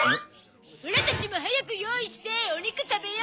オラたちも早く用意してお肉食べよ食べよ！